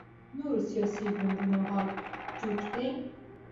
نورو سیاسي ګوندونو حال جوت دی